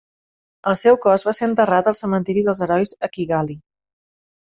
El seu cos va ser enterrat al Cementiri dels Herois a Kigali.